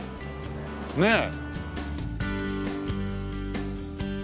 ねえ。